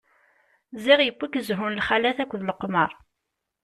Ziɣ yewwi-k zhu n lxalat akked leqmeṛ.